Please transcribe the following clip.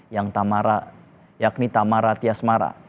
yang tamara yakni tamara tiasmara